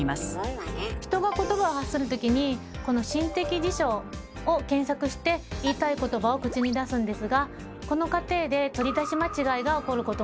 人が言葉を発する時にこの心的辞書を検索して言いたい言葉を口に出すんですがこの過程で取り出し間違いが起こることもあります。